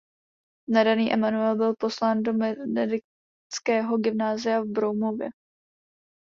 Nadaný Emanuel byl poslán do benediktinského gymnázia v Broumově.